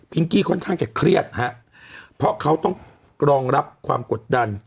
กี้ค่อนข้างจะเครียดฮะเพราะเขาต้องรองรับความกดดัน